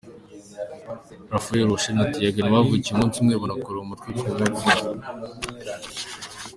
Rafaela, Rochele na Tagiane bavukiye umunsi umwe banakora ubukwe ku munsi umwe.